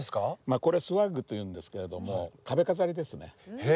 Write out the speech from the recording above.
これスワッグというんですけれども壁飾りですね。